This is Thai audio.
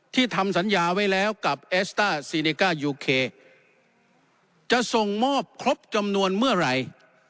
ทำสัญญาไว้แล้วกับแอสต้าซีเนก้ายูเคจะส่งมอบครบจำนวนเมื่อไหร่